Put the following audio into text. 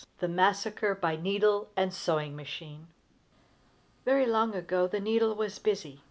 THE MASSACRE BY NEEDLE AND SEWING MACHINE. Very long ago the needle was busy.